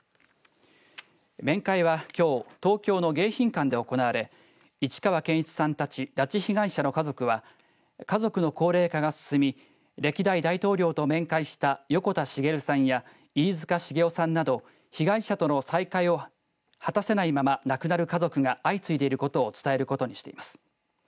面会は、きょう東京の迎賓館で行われ市川健一さんたち拉致被害者の家族は家族の高齢化が進み歴代大統領と面会した横田滋さんや飯塚繁雄さんなど被害者との再会を果たせないまま亡くなる家族が相次いでいることを伝えることにしています。